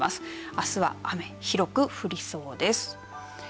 あすは雨、広く降りそうです。